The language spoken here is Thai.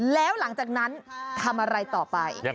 แล้วหลังจากนั้นทำอะไรต่อไป